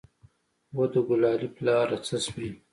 وه د ګلالي پلاره څه سوې.